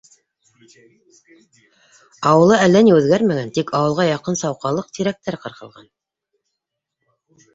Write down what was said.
Ауылы әллә ни үҙгәрмәгән, тик ауылға яҡын сауҡалыҡ, тирәктәр ҡырҡылған.